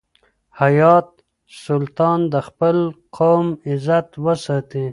حیات سلطان د خپل قوم عزت وساتی.